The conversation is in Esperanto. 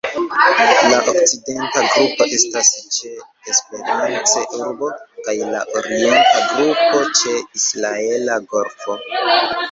La okcidenta grupo estas ĉe Esperance-Urbo kaj la orienta grupo ĉe Israela Golfo.